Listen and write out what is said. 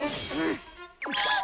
あっ！